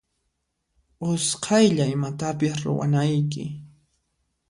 Usqaylla imatapis ruwanayki.